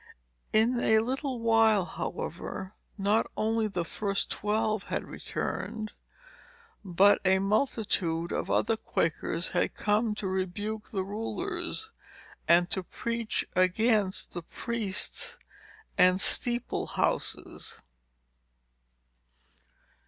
In a little while, however, not only the first twelve had returned, but a multitude of other Quakers had come to rebuke the rulers, and to preach against the priests and steeple houses.